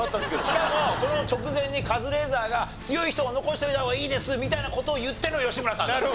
しかもその直前にカズレーザーが強い人を残しておいた方がいいですみたいな事を言っての吉村さんなの。